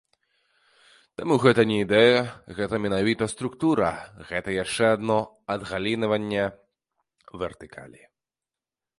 Таму гэта не ідэя, гэта менавіта структура, гэта яшчэ адно адгалінаванне вертыкалі.